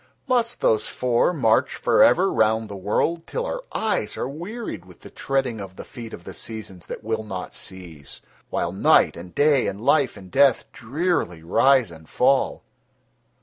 Must those four march for ever round the world till our eyes are wearied with the treading of the feet of the Seasons that will not cease, while Night and Day and Life and Death drearily rise and fall?"